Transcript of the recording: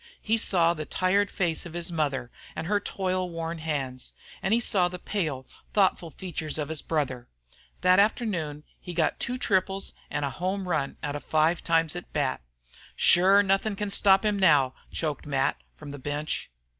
He saw the tired face of his mother and her toil worn hands, and he saw the pale, thoughtful features of his brother. That afternoon he got two triples and a home run out of five times at bat. "Shure nothin' can stop him now!" choked Mac, from the bench.